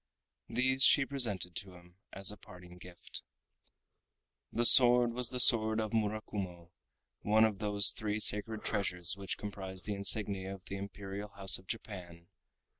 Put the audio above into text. These she presented to him as a parting gift. The sword was the sword of Murakumo, one of the three sacred treasures which comprise the insignia of the Imperial House of Japan.